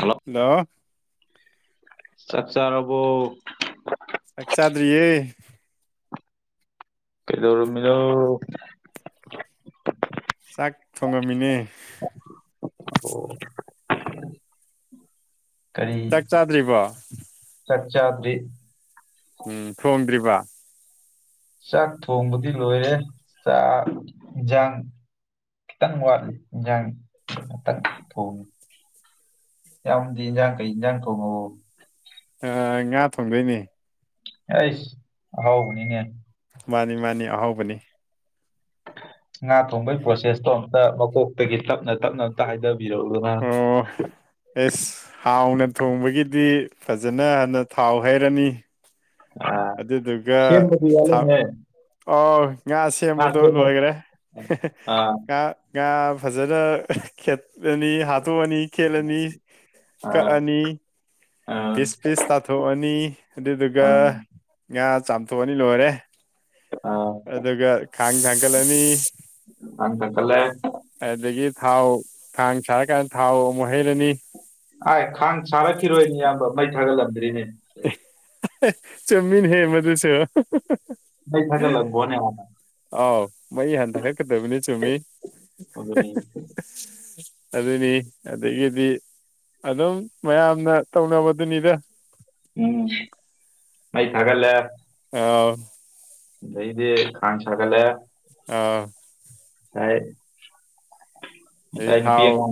Hello hello ꯆꯥꯛ ꯆꯥꯔꯕꯣ ꯆꯥꯛ ꯆꯥꯗ꯭ꯔꯤꯌꯦ ꯀꯩꯗꯧꯔꯝꯃꯤꯅꯣ ꯆꯥꯛ ꯊꯣꯡꯉꯝꯃꯤꯅꯦ ꯑꯣ ꯀꯔꯤ ꯆꯥꯛ ꯆꯥꯗ꯭ꯔꯤꯕꯣ ꯆꯥꯛ ꯆꯥꯗ꯭ꯔꯤ ꯎꯝ ꯊꯣꯡꯗ꯭ꯔꯤꯕ ꯆꯥꯛ ꯊꯣꯡꯕꯗꯤ ꯂꯣꯏꯔꯦ ꯆꯥꯛ ꯏꯟꯖꯥꯡ ꯈꯤꯇꯪ ꯋꯥꯠꯂꯤ ꯏꯟꯖꯥꯡ ꯉꯥꯛꯇꯪ ꯊꯣꯡꯉꯤ ꯏꯌꯥꯝꯗꯤ ꯏꯟꯖꯥꯡ ꯀꯩ ꯏꯟꯖꯥꯡ ꯊꯣꯡꯉꯥꯕꯣ ꯑꯥ ꯉꯥ ꯊꯣꯡꯗꯣꯏꯅꯦ ꯑꯩꯁ ꯑꯍꯥꯎꯕꯅꯤꯅꯦ ꯃꯥꯅꯤ ꯃꯥꯅꯤ ꯑꯍꯥꯎꯕꯅꯤ ꯉꯥ ꯊꯣꯡꯕꯒꯤ ꯄ꯭ꯔꯣꯁꯦꯁꯇꯣ ꯑꯝꯇꯥ ꯃꯀꯣꯛꯇꯒꯤ ꯇꯞꯅ ꯇꯞꯅ ꯑꯝꯇ ꯍꯥꯏꯗꯕꯤꯔꯛꯎꯗꯅ ꯑꯣ ꯑꯦꯁ ꯍꯥꯎꯅ ꯊꯣꯡꯕꯒꯤꯗꯤ ꯐꯖꯅ ꯍꯥꯟꯅ ꯊꯥꯎ ꯍꯩꯔꯅꯤ ꯑꯥ ꯑꯗꯨꯗꯨꯒ ꯁꯦꯝꯕꯗꯤ [unintelligible] ꯋꯥꯠꯂꯝꯃꯦ ꯑꯣ ꯉꯥ ꯁꯦꯝꯕꯗꯣ ꯂꯣꯏꯒꯔꯦ ꯑꯥ ꯉꯥ ꯉꯥ ꯐꯖꯅ ꯈꯦꯠ ꯂꯅꯤ ꯍꯥꯠꯇꯣꯛꯑꯅꯤ ꯈꯦꯠꯂꯅꯤ ꯑꯥ ꯀꯛꯑꯅꯤ ꯑꯥ ꯄꯤꯁ ꯄꯤꯁ ꯇꯥꯊꯣꯛꯑꯅꯤ ꯑꯗꯨꯗꯨꯒ ꯑꯥ ꯉꯥ ꯆꯥꯝꯊꯣꯛꯑꯅꯤ ꯂꯣꯏꯔꯦ ꯑꯥ ꯑꯗꯨꯒ ꯈꯥꯡ ꯊꯥꯡꯒꯠꯂꯅꯤ ꯈꯥꯡ ꯊꯥꯡꯀꯠꯂꯦ ꯑꯗꯨꯗꯒꯤ ꯊꯥꯎ ꯈꯥꯡ ꯁꯥꯔꯀꯥꯟꯗ ꯊꯥꯎ ꯑꯃꯨꯛ ꯍꯩꯔꯅꯤ ꯑꯥꯏ ꯈꯥꯡ ꯁꯥꯥꯔꯛꯈꯤꯔꯣꯏꯅꯦ ꯏꯌꯥꯝꯕ ꯃꯩ ꯊꯥꯒꯠꯂꯝꯗ꯭ꯔꯤꯅꯦ ꯑꯦ ꯆꯨꯝꯃꯤꯅꯦꯍꯦ ꯃꯗꯨꯁꯨ ꯃꯩ ꯊꯥꯒꯠꯂꯝꯒꯣꯅꯦ ꯍꯥꯟꯅ ꯑꯥꯎ ꯃꯩ ꯍꯥꯟ ꯊꯥꯒꯠꯀꯗꯕꯅꯤ ꯆꯨꯝꯃꯤ ꯑꯗꯨꯅꯤꯅꯦ ꯑꯗꯨꯅꯤ ꯑꯗꯒꯤꯗꯤ ꯑꯗꯨꯝ ꯃꯌꯥꯝꯅ ꯇꯧꯅꯕꯗꯨꯅꯤꯗ ꯎꯝ ꯃꯩ ꯊꯥꯒꯠꯂꯦ ꯑꯥꯎ ꯑꯗꯩꯗꯤ ꯈꯥꯡ ꯁꯥꯒꯠꯂꯦ ꯑꯥ ꯑꯗꯩ ꯊꯥꯎ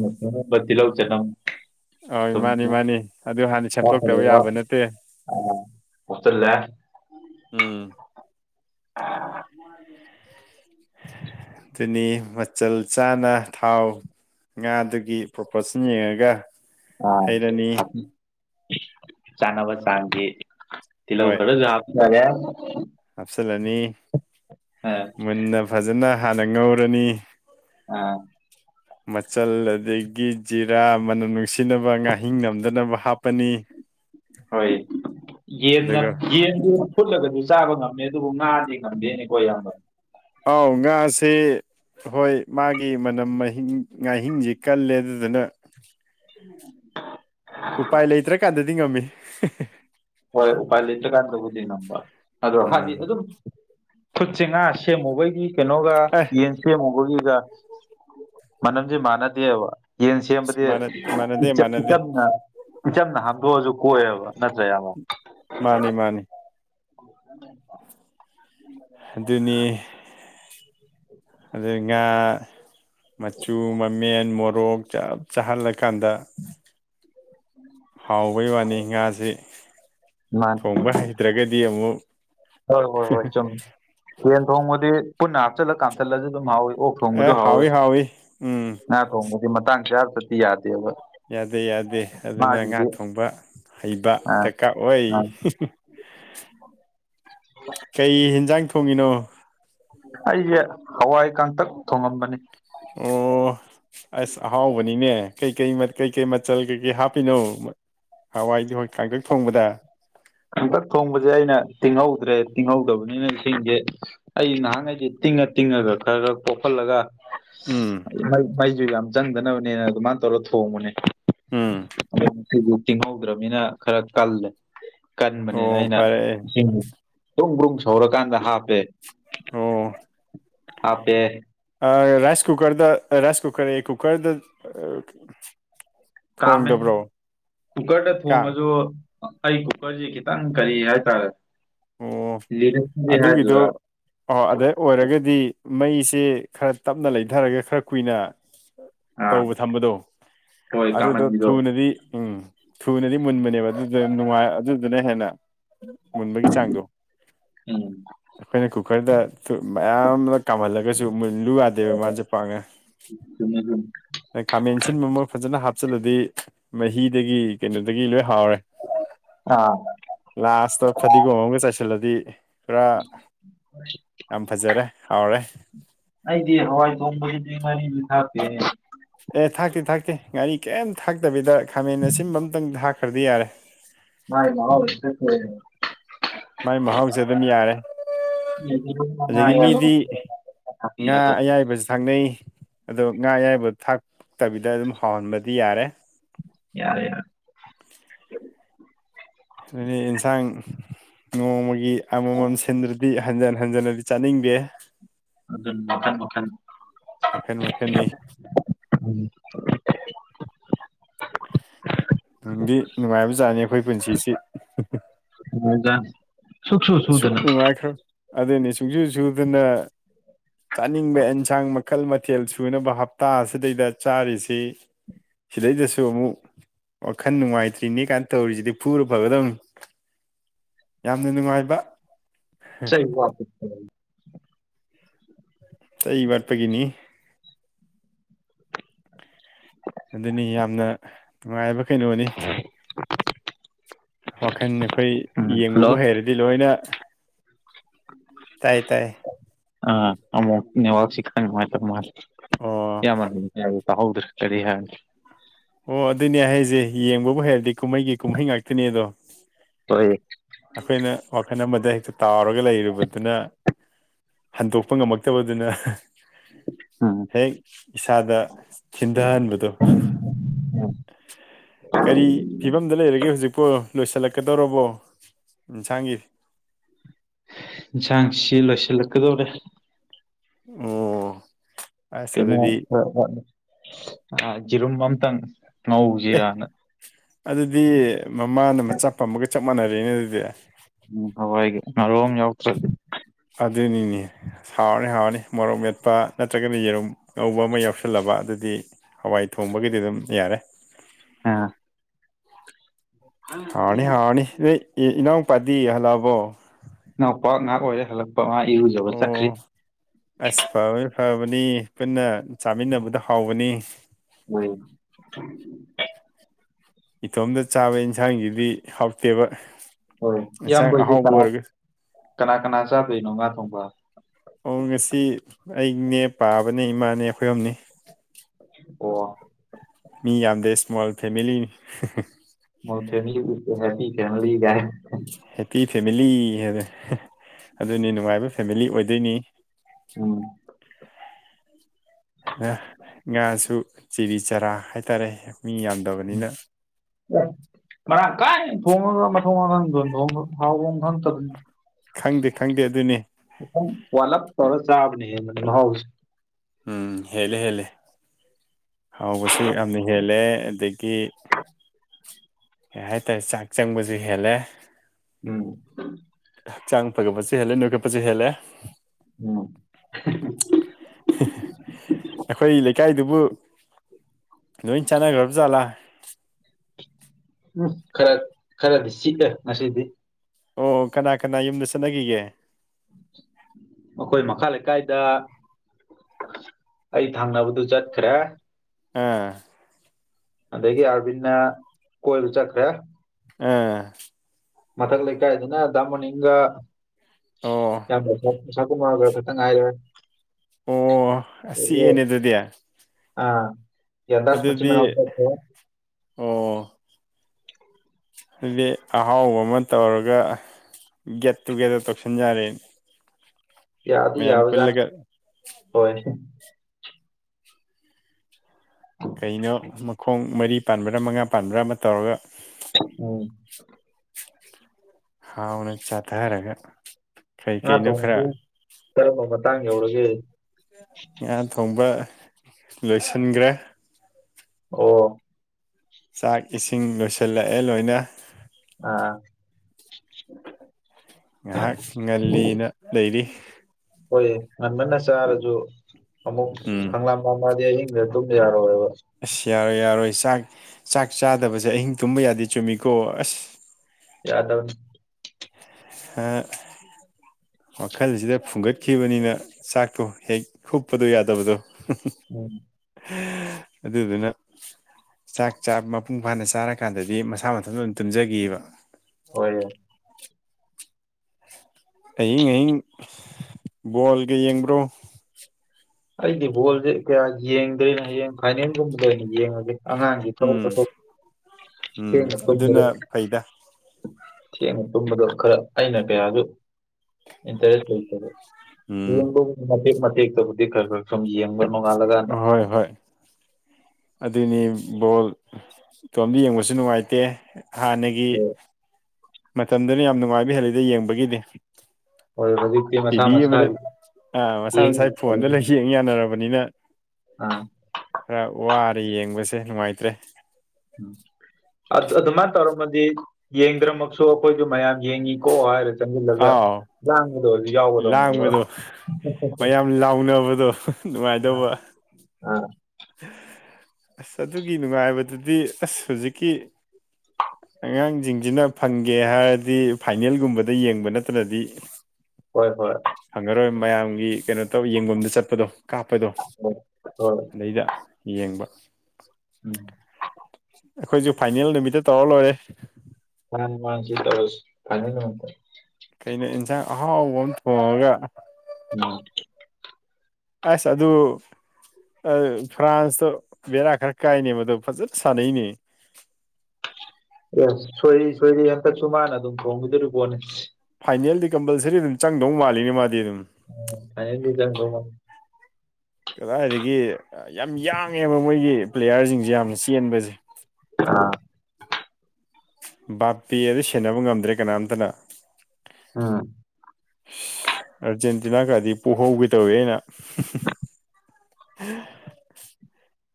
[inaudible] ꯇꯤꯜꯂꯧ ꯆꯥꯅꯝ ꯑꯥ ꯃꯥꯅꯤ ꯃꯥꯅꯤ ꯑꯗꯨ ꯍꯥꯟꯅ ꯁꯦꯝꯗꯣꯛꯇꯕ ꯍꯥꯞꯀꯗꯕ ꯌꯥꯕ ꯅꯠꯇꯦ ꯑꯥ ꯍꯥꯞꯆꯜꯂꯦ ꯎꯝ [inaudible] ꯇꯨꯅꯤ ꯃꯆꯜ ꯆꯥꯅ ꯊꯥꯎ ꯉꯥꯗꯨꯒꯤ ꯄ꯭ꯔꯣꯄꯔꯁꯥꯟ ꯌꯦꯡꯉꯒ ꯑꯥ ꯍꯩꯔꯅꯤ ꯍꯞꯄꯤ ꯆꯥꯅꯕꯥ ꯆꯥꯡ ꯒꯤ ꯇꯤꯜꯍꯧ ꯍꯣꯏ ꯀꯔꯣꯜꯍꯞ ꯌꯥꯒꯦ ꯍꯥꯞꯆꯤꯜꯂꯅꯤ ꯑꯥ ꯃꯨꯟꯅ ꯐꯖꯟꯅ ꯍꯥꯟꯅ ꯉꯧꯔꯅꯤ ꯑꯥ ꯃꯆꯜ ꯑꯗꯒꯤ ꯖꯤꯔꯥ ꯃꯅꯝ ꯅꯨꯡꯁꯤꯅꯕ ꯉꯥꯍꯤꯡ ꯅꯝꯗꯅꯕ ꯍꯥꯞ ꯍꯣꯏ ꯌꯦꯟꯅꯞ ꯑꯗꯨꯒ ꯌꯦꯟ ꯗꯨ ꯐꯨꯠꯂꯒꯗꯤ ꯆꯥꯕ ꯉꯝꯃꯦ ꯑꯗꯨꯕꯨ ꯉꯥꯗꯤ ꯉꯝꯗꯦꯅꯦꯀꯣ ꯏꯌꯥꯝꯕ ꯑꯥꯎ ꯉꯥꯁꯦ ꯍꯣꯏ ꯃꯥꯒꯤ ꯃꯅꯝ ꯃꯍꯤꯡ ꯉꯥꯍꯤꯡꯁꯤ ꯀꯜꯂꯦ ꯑꯗꯨꯗꯅ [unintelligible] ꯎꯄꯥꯏ ꯂꯩꯇ꯭ꯔꯀꯥꯟꯗꯗꯤ ꯉꯝꯃꯤ ꯍꯣꯏ ꯎꯄꯥꯏ ꯂꯩꯇ꯭ꯔꯀꯥꯟꯗꯕꯨꯗꯤ ꯉꯝꯕ ꯑꯗꯣ ꯍꯥꯏꯗꯤ ꯎꯝ ꯑꯗꯨꯝ ꯈꯨꯠꯁꯦ ꯉꯥ ꯁꯦꯝꯃꯨꯕꯒꯤ ꯀꯩꯅꯣꯒ ꯑꯦ ꯌꯦꯟ ꯁꯦꯝꯃꯨꯕꯒꯤꯗ ꯃꯅꯝꯁꯦ ꯃꯥꯟꯅꯗꯦꯕ ꯌꯦꯟ ꯁꯦꯝꯕꯗꯤ ꯃꯥꯟꯅ ꯃꯥꯟꯅꯗꯦ ꯃꯥꯟꯅꯗꯦ ꯏꯆꯝꯅ ꯏꯆꯝꯅ ꯍꯥꯝꯗꯣꯛ ꯑꯁꯨ ꯀꯣꯛꯑꯦꯕ ꯅꯠꯇ꯭ꯔꯥ ꯏꯌꯥꯝꯕ ꯃꯥꯅꯦ ꯃꯥꯅꯤ [unintelligible] ꯑꯗꯨꯅꯤ ꯑꯗꯨ ꯉꯥ ꯃꯆꯨ ꯃꯃꯦꯟ ꯃꯣꯔꯣꯛ ꯆꯞ ꯆꯥꯍꯜꯂꯀꯥꯟꯗ ꯍꯥꯎꯕꯩ ꯋꯥꯅꯤ ꯉꯥꯁꯤ ꯃꯥꯅꯤ ꯊꯣꯡꯕ ꯍꯩꯇ꯭ꯔꯒꯗꯤ ꯑꯃꯨꯛ ꯍꯣꯏ ꯍꯣꯏ ꯍꯣꯏ ꯆꯨꯝꯃꯤ ꯌꯦꯟ ꯊꯣꯡꯕꯗꯤ ꯄꯨꯟꯅ ꯍꯥꯞꯆꯤꯜꯂ ꯀꯥꯝꯊꯠꯂꯁꯨ ꯗꯨꯝ ꯍꯥꯎꯋꯤ ꯑꯦ ꯍꯥꯎꯋꯤ ꯍꯥꯎꯋꯤ ꯎꯝ ꯉ ꯊꯣꯡꯕꯗꯤ ꯃꯇꯥꯡ ꯆꯥꯗ꯭ꯔꯗꯤ ꯌꯥꯗꯦꯕ ꯌꯥꯗꯦ ꯌꯥꯗꯦ ꯑꯗꯨꯅ ꯉꯥ ꯃꯥꯒꯤꯗꯤ ꯊꯣꯡꯕ ꯍꯩꯕ ꯑꯥ ꯗꯀꯥ ꯑꯣꯏ ꯑꯥ ꯍꯣꯏ ꯀꯩ ꯍꯦꯟꯖꯥꯡ ꯊꯣꯡꯉꯤꯅꯣ ꯑꯩꯁꯦ ꯍꯋꯥꯏ ꯀꯥꯡꯇꯛ ꯊꯣꯡꯉꯝꯕꯅꯤ ꯑꯣ [unintelligible] ꯑꯁ ꯑꯍꯥꯎꯕꯅꯤꯅꯦ ꯀꯩꯀꯩ ꯃꯠ ꯀꯩꯀꯩ ꯃꯆꯥꯜ ꯀꯩꯀꯩ ꯍꯥꯞꯄꯤꯅꯣ ꯍꯋꯥꯏ ꯗꯣꯏ ꯀꯥꯡꯇꯛ ꯊꯣꯡꯕꯗ ꯀꯥꯡꯇꯛ ꯊꯣꯡꯕꯖꯦ ꯑꯩꯅ ꯇꯤꯡꯍꯧꯗ꯭ꯔꯦ ꯇꯤꯡꯍꯧꯗꯕꯅꯤꯅ ꯏꯁꯤꯡꯁꯦ ꯑꯩ ꯅꯍꯥꯟꯈꯩꯗꯤ ꯇꯤꯡꯉ ꯇꯤꯡꯉꯒ ꯈꯔ ꯈꯔ ꯄꯣꯞꯍꯜꯂꯒ ꯎꯝ ꯃꯩ ꯃꯩꯁꯨ ꯌꯥꯝ ꯆꯪꯗꯅꯕꯅꯦꯅ ꯑꯗꯨꯃꯥꯏꯅ ꯇꯧꯔ ꯊꯣꯡꯕꯅꯦ ꯎꯝ ꯑꯥꯗꯣ ꯉꯁꯤꯗꯤ ꯇꯤꯡꯍꯧꯗ꯭ꯔꯕꯅꯤꯅ ꯈꯔ ꯀꯜꯂꯦ ꯀꯟꯕꯅꯤꯅꯦ ꯑꯣ ꯑꯩꯅ ꯐꯔꯦ ꯏꯁꯤꯡꯕꯨ ꯗꯨꯡ ꯕ꯭ꯔꯨꯡ ꯁꯧꯔꯀꯥꯟꯗ ꯍꯥꯞꯄꯦ ꯑꯣ ꯍꯥꯞꯄꯦ ꯑꯥ ꯔꯥꯏꯁ ꯀꯨꯀꯔꯗ ꯔꯥꯏꯁ ꯀꯨꯀꯔꯌꯦ ꯀꯨꯀꯔꯗ ꯑꯥ ꯀꯥꯝꯃꯦ ꯀꯨꯀꯔꯗ ꯀꯥ ꯊꯣꯡꯉꯁꯨ ꯑꯩ ꯀꯨꯀꯔꯖꯤ ꯈꯤꯇꯪ ꯀꯔꯤ ꯍꯥꯏꯇꯥꯔꯦ ꯑꯣ ꯂꯤꯔꯛꯑꯦ ꯍꯥꯏꯗꯣꯏꯔ ꯑꯗꯨꯒꯤꯗꯣ ꯑꯣ ꯑꯗꯩ ꯑꯣꯏꯔꯒꯗꯤ ꯃꯩꯁꯦ ꯈꯔ ꯇꯞꯅ ꯂꯩꯊꯔꯒ ꯈꯔ ꯀꯨꯏꯅ [inaudible] ꯇꯧꯕ ꯊꯝꯕꯗꯣ ꯍꯣꯏ ꯑꯗꯨꯗꯣ ꯀꯥꯃꯟꯕꯤꯗꯣ ꯊꯨꯅꯗꯤ ꯎꯝ ꯊꯨꯅꯗꯤ ꯃꯨꯟꯕꯅꯦꯕ ꯑꯗꯨꯗꯣ ꯅꯨꯡꯉꯥꯏ ꯑꯗꯨꯗꯨꯅ ꯍꯦꯟꯅ ꯃꯨꯟꯕꯒꯤ ꯆꯥꯡꯗꯣ ꯎꯝ ꯑꯩꯈꯣꯏꯅ ꯀꯨꯀꯔꯗ ꯇꯨ ꯃꯌꯥꯝꯂꯛ ꯀꯥꯝꯍꯜꯂꯒꯖꯨ ꯃꯨꯜꯂꯨ ꯌꯥꯗꯦꯕ ꯃꯥꯖꯦ ꯄꯥꯛꯅ ꯆꯨꯝꯃꯦ ꯆꯨꯝꯃꯦ ꯈꯥꯃꯦꯟ ꯁꯤꯟꯕ ꯑꯃꯒ ꯐꯖꯟꯅ ꯍꯥꯞꯆꯤꯜꯂꯗꯤ ꯃꯍꯤꯗꯒꯤ ꯀꯩꯅꯣꯗꯒꯤ ꯂꯣꯏ ꯍꯥꯎꯔꯦ꯫ ꯑꯥ ꯂꯥꯁꯇ ꯐꯗꯤꯒꯣꯝ ꯑꯝꯒ ꯆꯥꯏꯁꯤꯜꯂꯗꯤ ꯄꯨꯔꯥ ꯌꯥꯝ ꯐꯖꯔꯦ ꯍꯥꯎꯔꯦ꯫ ꯑꯩꯗꯤ ꯍꯋꯥꯏ ꯊꯣꯡꯕꯁꯤꯗꯤ ꯉꯔꯤꯗꯤ ꯊꯥꯛꯇꯦꯅꯦ ꯫ ꯑꯦ ꯊꯥꯛꯇꯦ ꯊꯥꯛꯇꯦ ꯉꯔꯤ ꯀꯩꯝ ꯊꯥꯛꯇꯕꯤꯗ ꯈꯥꯃꯦꯟ ꯑꯁꯤꯟꯕ ꯑꯝꯇꯪ ꯊꯥꯛꯈ꯭ꯔꯗꯤ ꯌꯥꯔꯦ꯫ ꯃꯥꯏ ꯃꯍꯥꯎ ꯖꯦ [unintelligible] ꯃꯥꯥꯏ ꯃꯍꯥꯎꯖꯦ ꯑꯗꯨꯝ ꯌꯥꯔꯦ꯫ ꯌꯦꯔꯨꯝꯒ ꯉꯥ ꯑꯗꯒꯤ ꯃꯤꯗꯤ ꯌꯥꯏꯕꯒ ꯉꯥ ꯊꯥꯛꯄꯤꯔꯒ ꯑꯌꯥꯏꯕꯖ ꯊꯪꯅꯩ ꯑꯗꯣ ꯉꯥ ꯑꯌꯥꯏꯕ ꯊꯥꯛꯇꯕꯤꯗ ꯑꯗꯨꯝ ꯍꯥꯎꯍꯟꯕꯗꯤ ꯌꯥꯔꯦ꯫ ꯌꯥꯔꯦ ꯌꯥꯔ ꯗꯨꯅꯤ ꯏꯟꯁꯥꯡ ꯅꯣꯡꯃꯒꯤ ꯑꯃꯃꯝ ꯁꯤꯟꯗ꯭ꯔ ꯗꯤ ꯍꯟꯖꯟ ꯍꯟꯖꯟꯅꯗꯤ ꯆꯥꯅꯤꯡꯗꯦ꯫ ꯑꯗꯨꯅ ꯃꯈꯟ ꯃꯈꯟ ꯃꯈꯟ ꯃꯈꯟꯅꯤ ꯎꯝ ꯅꯨꯡꯗꯤ ꯅꯨꯡꯉꯥꯏꯕꯖꯥꯠꯅꯤ ꯑꯩꯈꯣꯏ ꯄꯨꯟꯁꯤꯁꯤ꯫ ꯅꯨꯡꯉꯥꯏꯕꯖꯥꯅꯤ ꯫ ꯑꯁꯨꯛ ꯅꯨꯡꯉꯥꯏꯈ꯭ꯔ ꯑꯗꯨꯅꯤ ꯁꯨꯡꯖꯨ ꯁꯨꯗꯅ ꯆꯥꯅꯤꯡꯕ ꯑꯦꯟꯁꯥꯡ ꯃ ꯃꯈꯜ ꯃꯊꯦꯜ ꯁꯨꯅꯕ ꯍꯞꯇꯥ ꯑꯁꯤꯗꯩꯗ ꯆꯥꯔꯤꯁꯤ ꯁꯤꯗꯩꯗꯁꯨ ꯑꯃꯨꯛ ꯋꯥꯈꯟ ꯅꯨꯡꯉꯥꯏꯇ꯭ꯔꯤꯅꯦ ꯀꯥꯏꯅ ꯇꯧꯔꯤꯖꯤꯗꯤ ꯐꯨꯔ ꯐꯒꯗꯝꯅꯤ ꯌꯥꯝꯅ ꯅꯨꯡꯉꯥꯏ ꯕꯥ ꯆꯩ ꯋꯥꯠꯄꯩ ꯊꯕꯛꯅꯤ ꯫ ꯆꯩ ꯋꯥꯠꯄꯒꯤꯅꯤ꯫ [inaudible] ꯑꯗꯨꯅꯤ ꯌꯥꯝꯅ ꯅꯨꯡꯉꯥꯏꯕ ꯀꯩꯅꯣꯅꯤ ꯋꯥꯈꯟ ꯑꯩꯈꯣꯏ ꯎꯝ ꯍꯜꯂꯣ ꯌꯦꯡꯕꯕꯨ ꯍꯩꯔ ꯗꯤ ꯂꯣꯏꯅ ꯇꯥꯏ ꯇꯥꯏ ꯑ ꯑꯃꯨꯛ ꯅꯦꯠꯋꯥꯛꯁꯤ ꯈꯇꯪ ꯅꯨꯡꯉꯥꯏꯇꯕ ꯃꯥꯜꯂꯦ ꯑꯣ ꯏꯌꯥꯝꯕ [unintelligible] ꯇꯥꯍꯧꯗ꯭ꯔꯦ ꯀꯔꯤ ꯍꯥꯏꯝ ꯑꯣ ꯑꯗꯨꯅꯦ ꯍꯥꯏꯖꯦ ꯌꯦꯡꯕꯕꯨ ꯍꯩꯔꯗꯤ ꯀꯨꯝꯍꯩꯒꯤ ꯀꯨꯝꯍꯩ ꯉꯥꯛꯇꯅꯦꯗꯣ ꯍꯣꯏꯌꯦ ꯑꯩꯈꯣꯏꯅ ꯋꯥꯈꯟ ꯑꯃꯗ ꯍꯦꯛꯇ ꯇꯥꯎꯔꯒ ꯂꯩꯔꯨꯕꯗꯨꯅ꯫ ꯍꯟꯇꯣꯛꯄ ꯉꯝꯃꯛꯇꯕꯗꯨꯅ꯫ ꯑꯥ ꯍꯦꯛ ꯏꯁꯥꯗ ꯊꯤꯟꯗꯍꯟꯕꯗꯣ꯫ ꯀꯔꯤ ꯐꯤꯕꯝꯗ ꯂꯩꯔꯒꯦ ꯍꯧꯖꯤꯛꯄꯣ ꯂꯣꯏꯁꯤꯜꯂꯛꯀꯗꯧꯔꯕꯣ꯫ ꯏꯟꯁꯥꯡꯒꯤ ꯏꯟꯁꯥꯡꯁꯤ ꯂꯣꯏꯁꯜꯂꯛꯀꯗꯧꯔꯦ ꯫ ꯑꯣ ꯑꯁ ꯑꯗꯨꯗꯤ ꯩꯀꯩꯟꯅ ꯔꯨꯝ ꯃꯝꯇꯪ ꯑꯦ ꯉꯧꯖꯤꯔꯅ ꯑꯗꯨꯗꯤ ꯃꯃꯥꯅ ꯃꯆꯥ ꯄꯝꯃꯒ ꯆꯞ ꯃꯥꯟꯅꯔꯦꯅꯦ ꯑꯗꯨꯗꯤ [unintelligible] ꯑꯗꯨꯅꯤꯅꯦ ꯁꯥꯎꯔ ꯍꯥꯎꯔꯅꯤ ꯃꯣꯔꯣꯛ ꯃꯠꯄ ꯅꯠꯇ꯭ꯔꯒꯅ ꯌꯦꯔꯨꯝ ꯉꯧꯕ ꯑꯃ ꯌꯥꯎꯁꯜꯂꯕ ꯑꯗꯨꯗꯤ ꯍꯋꯥꯏ ꯊꯣꯡꯕꯒꯤꯗꯤ ꯑꯗꯨꯝ ꯌꯥꯔꯦ ꯑ ꯍꯥꯎꯔꯅꯤ ꯍꯥꯎꯔꯅꯤ ꯅꯣꯏ ꯏ ꯏꯅꯥꯎ ꯄꯥꯗꯤ ꯍꯜꯂꯛꯑꯕꯣ ꯏꯅꯥꯎꯄ ꯉꯥꯛ ꯑꯣꯏꯔꯦ ꯍꯜꯂꯛꯄ ꯃꯥ ꯏꯔꯨꯖꯕ ꯆꯠꯈꯔ꯭ꯤ ꯑꯣ ꯑꯁ ꯐꯕꯅꯤ ꯐꯕꯅꯤ ꯄꯨꯟꯅ ꯆꯥꯃꯤꯟꯅꯕꯗꯣ ꯍꯥꯎꯕꯅꯤ [unintelligible] ꯏꯇꯣꯝꯗ ꯆꯥꯕ ꯏꯟꯁꯥꯡꯖꯤꯗꯤ ꯍꯥꯎꯇꯦꯕ ꯍꯣꯏ ꯏꯟꯁꯥꯡ ꯏꯌꯥꯝꯍꯣꯏꯗꯤ ꯑꯍꯥꯎꯕ ꯀꯅꯥ ꯑꯣꯏꯔꯒꯁꯨ ꯀꯅꯥ ꯀꯅꯥ ꯆꯥꯗꯣꯏꯅꯣ ꯉꯥ ꯊꯣꯡꯕ ꯑꯣ ꯉꯁꯤ ꯑꯩꯅꯦ ꯄꯥꯕꯅꯦ ꯏꯃꯥꯅꯦ ꯑꯩꯈꯣꯏ ꯍꯨꯝꯅꯤ ꯑꯣ ꯃꯤ ꯌꯥꯝꯗꯦ ꯁ꯭ꯃꯣꯜ ꯐꯦꯃꯤꯂꯤ ꯅꯤ small family is a happy family ꯒꯥꯏ ꯍꯦꯞꯄꯤ ꯐꯦꯃꯤꯂꯤ ꯍꯥꯏꯗ ꯑꯗꯨꯅꯤ ꯅꯨꯡꯉꯥꯏꯕ ꯐꯦꯃꯤꯂꯤ ꯑꯣꯏꯗꯣꯏꯅꯤ ꯎꯝ ꯉꯥꯁꯨ ꯆꯤꯔꯤ ꯆꯔꯥ ꯍꯥꯏꯇꯥꯔꯦ ꯃꯤ ꯌꯥꯝꯗꯕꯅꯤꯅ ꯃꯔꯥꯡ ꯀꯥꯏ ꯊꯣꯡꯉꯒ ꯃꯊꯣꯡ ꯃꯔꯥꯡ ꯈꯪꯗꯅ ꯊꯣꯡꯗꯨ ꯍꯥꯎꯕꯝ ꯈꯪꯇꯕꯅꯤ ꯈꯪꯗꯦ ꯈꯪꯗꯦ ꯑꯗꯨꯅꯤ ꯈꯤꯇꯪ ꯋꯥꯠꯂꯞ ꯇꯧꯔꯒ ꯆꯥꯕꯅ ꯍꯦꯟꯕꯅꯤ ꯃꯍꯥꯎꯖꯦ ꯎꯝ ꯍꯦꯜꯂꯦ ꯍꯦꯜꯂꯦ ꯍꯥꯎꯕꯁꯨ ꯌꯥꯝꯅ ꯍꯦꯜꯂꯦ ꯑꯗꯒꯤ ꯀꯩ ꯍꯥꯏꯇꯥꯔꯦ ꯆꯥꯛ ꯆꯪꯕꯁꯨ ꯍꯦꯜꯂꯦ ꯎꯝ ꯍꯛꯆꯥꯡ ꯐꯒꯠꯄꯁꯨ ꯍꯦꯜꯂꯦ ꯅꯣꯏꯈꯠꯄꯁꯨ ꯍꯦꯜꯂꯦ ꯎꯝ ꯑꯩꯈꯣꯏ ꯂꯩꯀꯥꯏꯗꯨꯕꯨ ꯂꯣꯏ ꯆꯅꯈ꯭ꯔꯕ ꯖꯥꯠꯂꯥ ꯎꯝ ꯈꯔ ꯈꯔꯗꯤ ꯁꯤꯛꯑꯦ ꯉꯁꯤꯗꯤ ꯑꯣ ꯀꯅꯥ ꯀꯅꯥ ꯌꯨꯝꯗ ꯆꯠꯅꯒꯤꯒꯦ ꯃꯈꯣꯏ ꯃꯈꯥ ꯂꯩꯀꯥꯏꯗ ꯑꯩ ꯊꯡꯅꯕꯗꯨ ꯆꯠꯈ꯭ꯔꯦ ꯑꯥ ꯑꯗꯒꯤ ꯑꯥꯔꯕꯤꯟꯅ ꯀꯣꯏꯕ ꯆꯠꯈ꯭ꯔꯦ ꯑꯥ ꯃꯊꯛ ꯂꯩꯀꯥꯏꯗꯅ ꯗꯥ ꯃꯣꯅꯤꯡꯒ ꯑꯣ [unintelligible] ꯑꯁꯥꯀꯨꯃꯥꯔꯒ ꯈꯠꯇ ꯉꯥꯏꯔꯦ ꯑꯣ ꯑꯁ ꯑꯗꯒꯤ ꯆꯤꯛꯑꯦꯅꯦ ꯑꯗꯨꯗꯤ ꯑꯥ ꯒ꯭ꯌꯥꯟꯗꯥꯁ ꯃꯆꯤꯟ ꯑꯗꯨꯗꯤ ꯃꯅꯥꯎ ꯆꯠꯈ꯭ꯔꯦ ꯑꯣ ꯁꯤꯗꯤ ꯑꯍꯥꯎꯕ ꯑꯃ ꯇꯧꯔꯒ ꯒꯦꯠ ꯇꯨꯒꯦꯗꯔ ꯇꯧꯁꯤꯟ ꯌꯥꯔꯦ ꯌꯥꯗꯤ ꯌꯥꯕꯖꯥꯠꯅꯤ ꯍꯣꯏ ꯀꯩꯅꯣ ꯃꯈꯣꯡ ꯃꯔꯤ ꯄꯥꯟꯕꯔꯥ ꯃꯉꯥ ꯄꯥꯟꯕꯔꯥ ꯑꯃ ꯇꯧꯔꯒ [unintelligible] ꯍꯥꯥꯎꯅ ꯆꯥꯊꯔꯒ ꯀꯩ ꯉꯥ ꯀꯩꯅꯣ ꯊꯣꯡꯕꯕꯨ ꯈꯔ ꯀꯔꯝꯕ ꯃꯇꯥꯡ ꯌꯧꯔꯒꯦ ꯉꯥ ꯊꯣꯡꯕ ꯂꯣꯏꯁꯤꯟꯒ꯭ꯔꯦ ꯑꯣ ꯆꯥꯛ ꯏꯁꯤꯡ ꯂꯣꯏꯁꯤꯜꯂꯛꯑꯦ ꯂꯣꯏꯅ ꯑ ꯉꯍꯥꯛ ꯉꯜꯂꯤꯅ ꯂꯩꯔꯤ ꯍꯣꯏꯌꯦ ꯉꯟꯃꯟꯅ ꯆꯥꯔꯁꯨ ꯑꯃꯨꯛ ꯎꯝ ꯈꯪꯂꯥꯝ ꯂꯥꯝꯃꯛꯑꯗꯤ ꯑꯍꯤꯡꯗ ꯇꯨꯝ ꯌꯥꯔꯣꯏꯕ ꯑꯁ ꯌꯥꯔꯣꯏ ꯌꯥꯔꯣꯏ ꯆꯥꯛ ꯆꯥꯛ ꯆꯥꯗꯕꯁꯦ ꯑꯍꯤꯡ ꯇꯨꯝꯕ ꯌꯥꯗꯦ ꯆꯨꯝꯃꯤꯀꯣ ꯑꯁ ꯌꯥꯗꯕꯅꯤ ꯑꯥ ꯋꯥꯈꯜꯁꯤꯗ ꯐꯨꯡꯒꯠꯈꯤꯕꯅꯤꯅ ꯆꯥꯛꯇꯣ ꯍꯦꯛ ꯍꯨꯛꯄꯗꯣ ꯌꯥꯗꯕꯗꯣ ꯎꯝ ꯑꯗꯨꯗꯨꯅ ꯆꯥꯛ ꯆꯥꯛ ꯃꯄꯨꯡ ꯐꯥꯅ ꯆꯥꯔꯀꯥꯟꯗꯗꯤ ꯃꯁꯥ ꯃꯊꯟꯇ ꯑꯗꯨꯝ ꯇꯨꯝꯖꯒꯤꯕ ꯍꯣꯏꯌꯦ ꯑꯍꯤꯡ ꯑꯍꯤꯡ ꯕꯣꯜꯒ ꯌꯦꯡꯕ꯭ꯔꯣ ꯑꯩꯗꯤ ꯕꯣꯜꯁꯦ ꯀꯌꯥ ꯌꯦꯡꯗ꯭ꯔꯦꯅꯦ ꯍꯌꯦꯡ ꯐꯥꯏꯅꯦꯜꯒꯨꯝꯕꯗ ꯑꯣꯏꯅ ꯌꯦꯡꯉꯒꯦ ꯑꯉꯥꯡꯒꯤ ꯎꯝ [unintelligible] ꯎꯝ ꯊꯦꯡꯅ ꯇꯨꯝꯕꯗꯣ ꯑꯗꯨꯅ ꯐꯩꯗ ꯊꯦꯡꯅ ꯇꯨꯝꯕꯗꯣ ꯈꯔ ꯑꯩꯅ ꯀꯌꯥꯁꯨ ꯏꯟꯇꯔꯦꯁ ꯂꯩꯇꯕ ꯎꯝ ꯌꯨꯝꯗꯨꯝ ꯃꯇꯦꯛ ꯃꯇꯦꯛꯇꯕꯨꯗꯤ ꯈꯔ ꯈꯔ ꯁꯨꯝ ꯌꯦꯡꯕ ꯅꯣꯡꯉꯥꯜꯂꯒ ꯍꯣꯏ ꯍꯣꯏ ꯑꯗꯨꯅꯤ ꯕꯣꯜ ꯏꯇꯣꯝꯗꯥ ꯌꯦꯡꯕꯁꯨ ꯅꯨꯡꯉꯥꯏꯇꯦ ꯍꯥꯟꯅꯒꯤ ꯍꯣꯏ ꯃꯇꯝꯗꯨꯅ ꯌꯥꯝ ꯅꯨꯡꯉꯥꯏꯕ ꯍꯦꯜꯂꯤꯗ ꯌꯦꯡꯕꯒꯤꯗꯤ ꯍꯣꯏ ꯍꯧꯖꯤꯛ ꯇꯤꯚꯤ [unintelligible] ꯑꯥ ꯃꯁꯥ ꯃꯁꯥꯏ ꯐꯣꯟꯗ ꯂꯣꯏ ꯌꯦꯡ ꯌꯥꯅꯔꯕꯅꯤꯅ ꯑꯥ ꯈꯔ ꯋꯥꯔꯦ ꯌꯦꯡꯕꯁꯦ ꯅꯨꯡꯉꯥꯏꯇ꯭ꯔꯦ ꯎꯝ ꯑꯖ ꯑꯗꯨꯃꯥꯏꯅ ꯇꯧꯔꯝꯃꯗꯤ ꯌꯦꯡꯗ꯭ꯔꯃꯛꯁꯨ ꯑꯩꯈꯣꯏꯁꯨ ꯃꯌꯥꯝ ꯌꯦꯡꯉꯤꯀꯣ ꯍꯥꯏꯔꯗꯤ ꯆꯪꯁꯤꯜꯂꯒ ꯑꯥꯎ ꯂꯥꯡꯕꯗꯥ ꯑꯣꯏꯖꯨ ꯌꯥꯎꯒꯗꯧꯅꯦꯕ ꯂꯥꯡꯕꯗꯣ ꯃꯌꯥꯝ ꯂꯥꯎꯅꯕꯗꯣ ꯅꯨꯡꯉꯥꯏꯗꯧꯕ ꯑꯥ ꯑꯁ ꯑꯗꯨꯒꯤ ꯅꯨꯡꯉꯥꯏꯕꯗꯨꯗꯤ ꯑꯁ ꯍꯧꯖꯤꯛꯀꯤ ꯑꯉꯥꯡꯖꯤꯡꯖꯤꯅ ꯐꯪꯒꯦ ꯍꯥꯏꯔꯗꯤ ꯐꯥꯏꯅꯦꯜꯒꯨꯝꯕꯗ ꯌꯦꯡꯕ ꯅꯠꯇ꯭ꯔꯗꯤ ꯍꯣꯏ ꯍꯣꯏ ꯐꯪꯉꯔꯣꯏ ꯃꯌꯥꯝꯒꯤ ꯀꯩꯅꯣ ꯇꯧ ꯌꯦꯡꯐꯝꯗ ꯆꯠꯄꯗꯣ ꯀꯥꯞꯄꯗꯣ ꯍꯣꯏ ꯑꯗꯩꯗ ꯌꯦꯡꯕ ꯎꯝ ꯑꯩꯈꯣꯏꯁꯨ ꯐꯥꯏꯅꯦꯜ ꯅꯨꯃꯤꯠꯇ ꯇꯧꯔ ꯂꯣꯏꯔꯦ ꯃꯥꯅꯦ ꯃꯥꯅꯦ ꯁꯤ ꯇꯧꯔ꯭ꯁꯤ ꯐꯥꯏꯅꯦꯜ ꯅꯨꯃꯤꯠꯇꯥ ꯀꯩꯅꯣ ꯏꯟꯁꯥꯡ ꯑꯍꯥꯎꯕ ꯑꯃ ꯊꯣꯡꯉꯒ [unintelligible] ꯑꯁ ꯑꯗꯨ ꯐ꯭ꯔꯥꯟꯁꯇꯣ ꯕꯦꯔꯥ ꯈꯔ ꯀꯥꯏꯅꯦ ꯃꯗꯨ ꯐꯖꯅ ꯁꯥꯟꯅꯩꯅꯦ ꯑꯦꯁ ꯁꯣꯏꯔꯤ ꯁꯣꯏꯔꯤ ꯍꯟꯗꯛꯁꯨ ꯃꯥꯅ ꯑꯗꯨꯝ ꯊꫭꯝꯒꯤꯗꯨꯔꯤ ꯄꯣꯠꯅꯦ ꯐꯥꯏꯅꯦꯜꯗꯤ ꯀꯝꯄꯜꯁꯔꯤ ꯑꯗꯨꯝ ꯆꯪꯗꯧ ꯃꯥꯜꯂꯤꯅꯦ ꯃꯥꯗꯤ ꯑꯗꯨꯝ ꯎꯝ ꯐꯥꯏꯅꯦꯜꯗꯤ ꯆꯪꯗꯨ ꯃꯥꯜꯂꯤ ꯀꯗꯥꯏꯗꯒꯤ ꯌꯥꯝ ꯌꯥꯡꯉꯦꯕ ꯃꯣꯏꯒꯤ ꯄ꯭ꯂꯦꯌꯥꯔꯁꯤꯡꯁꯦ ꯌꯥꯝꯅ ꯆꯦꯟꯕꯁꯦ ꯑꯥ ꯕꯥꯞ ꯄꯦ ꯑꯗꯨ ꯁꯦꯟꯅꯕ ꯉꯝꯗ꯭ꯔꯦ ꯀꯅꯥꯝꯇꯅ ꯎꯝ꯫ ꯑꯔꯖꯦꯟꯇꯤꯅꯥꯒꯗꯤ ꯄꯨꯍꯧꯒꯦ ꯇꯧꯋꯦ ꯑꯩꯅ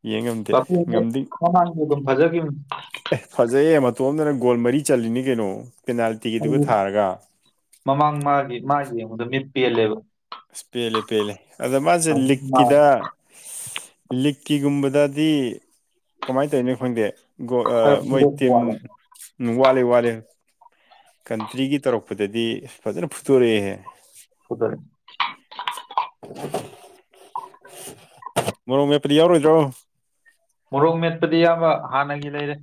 ꯌꯦꯡ ꯉꯝꯗꯦ ꯄꯥꯄꯨꯁꯦ ꯉꯝꯗꯤ ꯃꯃꯥꯡꯁꯨ ꯑꯗꯨꯝ ꯐꯖꯈꯤꯕꯅꯤ ꯑꯦ ꯐꯖꯩꯌꯦ ꯃꯇꯣꯝꯇꯅ ꯒꯣꯜ ꯃꯔꯤ ꯆꯠꯂꯤꯅꯤ ꯀꯩꯅꯣ ꯄꯦꯅꯥꯜꯇꯤꯒꯤꯗꯨꯒ ꯑꯩ ꯊꯥꯔꯒ ꯃꯃꯥꯡ ꯃꯥꯒꯤ ꯃꯥꯒꯤ ꯌꯦꯡꯕꯗꫭ ꯃꯤꯠ ꯄꯦꯜꯂꯦꯕ ꯑꯁ ꯄꯦꯜꯂꯦ ꯄꯦꯜꯂꯦ ꯑꯗꯨ ꯃꯥꯁꯦ ꯃꯥ ꯂꯤꯛꯀꯤꯗ ꯂꯤꯛꯀꯤꯒꯨꯝꯕꯗꯗꯤ ꯀꯃꯥꯏ ꯇꯧꯔꯤꯅꯣ ꯈꯪꯗꯦ ꯒꫭꯜ ꯑꯥ ꯈꯔ ꯃꯣꯏ ꯐꯨꯗꯣꯛꯄ ꯇꯤꯝ ꯋꯥꯠꯂꯦ ꯋꯥꯠꯂꯦ ꯋꯥꯠꯂꯦ ꯀꯟꯇ꯭ꯔꯤꯒꯤ ꯇꯧꯔꯛꯄꯗꯗꯤ ꯑꯁ ꯐꯖꯅ ꯐꯨꯠꯇꯣꯔꯛꯑꯦꯍꯦ ꯐꯨꯗ꯭ꯔꯦ ꯃꯣꯔꯣꯛ ꯃꯦꯠꯄꯗꯤ ꯌꯥꯎꯔꯣꯏꯗ꯭ꯔꯣ ꯃꯣꯔꯣꯛ ꯃꯦꯠꯄꯗꯤ ꯏꯌꯥꯝꯕ ꯍꯥꯟꯅꯒꯤ ꯂꯩꯔꯦ꯫